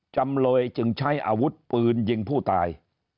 จำเลยจึงใช้อาวุธปืนยิงผู้ตาย